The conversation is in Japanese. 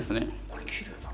これきれいだな。